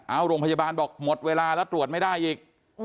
เอาโรงพยาบาลบอกหมดเวลาแล้วตรวจไม่ได้อีก